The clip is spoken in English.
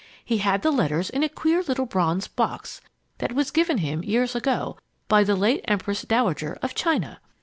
He had the letters in a queer little bronze box that was given him, years ago, by the late Empress Dowager of China.